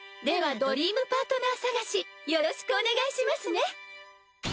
ではドリームパートナー捜しよろしくお願いしますね。